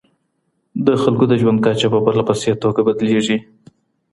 د خلګو د ژوند کچه په پرله پسې توګه بدليږي.